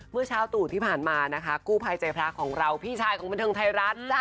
เมื่อเช้าตูดที่ผ่านมานะคะกู้ภัยใจพระของเราพี่ชายของบันเทิงไทยรัฐ